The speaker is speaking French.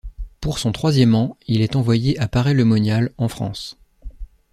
Pour son Troisième An il est envoyé à Paray-le-Monial, en France.